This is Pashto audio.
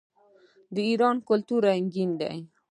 د ایران کلتور رنګین دی.